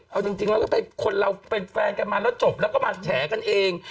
เอาจริงแล้วก็เป็นคนเราเป็นแฟนกันมาแล้วจบแล้วก็มาแฉกันเอง